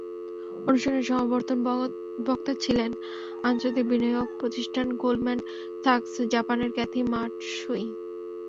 অনুষ্ঠানে সমাবর্তন বক্তা ছিলেন আন্তর্জাতিক বিনিয়োগ প্রতিষ্ঠান গোল্ডম্যান স্যাকস জাপানের ক্যাথি মাটসুই।